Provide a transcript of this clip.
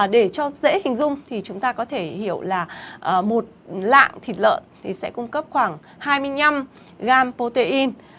để cho dễ hình dung thì chúng ta có thể hiểu là một lạng thịt lợn thì sẽ cung cấp khoảng hai mươi năm gram protein